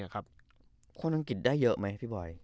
คนอังกฤษได้เยอะไหมพี่บอย